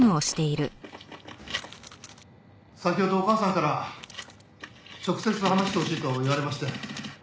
先ほどお母さんから直接話してほしいと言われまして。